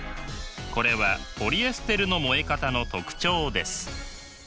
これはポリエステルの燃え方の特徴です。